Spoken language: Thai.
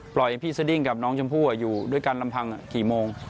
พี่สดิ้งกับน้องชมพู่อยู่ด้วยกันลำพังกี่โมง